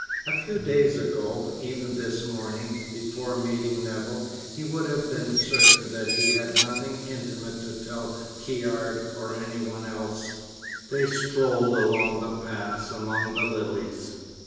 A few days ago, even this morning, before meeting Nevill, he would have been certain that he had nothing intimate to tell Caird or any one else. They strolled along the paths among the lilies.